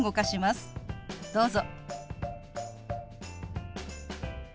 どうぞ。